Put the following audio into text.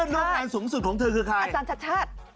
เพื่อนร่วมงานสูงสุดของเธอคือใครอาจารย์ชัด